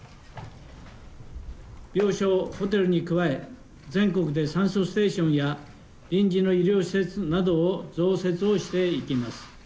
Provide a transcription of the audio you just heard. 病床、ホテルに加え、全国で酸素ステーションや、臨時の医療施設などを増設をしていきます。